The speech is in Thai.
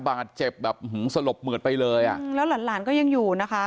บาดเจ็บแบบสลบเหมือดไปเลยอ่ะจริงแล้วหลานหลานก็ยังอยู่นะคะ